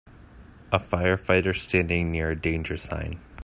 A firefighter standing near a danger sign.